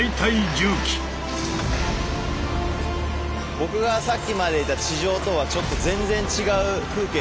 僕がさっきまでいた地上とはちょっと全然違う風景というか。